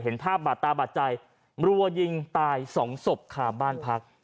เห็นภาพบาดตาบาดใจรัวยิงตายสองศพคาบ้านพัก